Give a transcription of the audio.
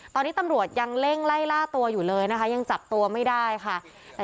ตอนนี้ตำรวจยังเร่งไล่ล่าตัวอยู่เลยนะคะยังจับตัวไม่ได้ค่ะ